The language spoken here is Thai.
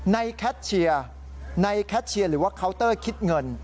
ในแคทเชียร์หรือว่าเคาน์เตอร์คิดเงิน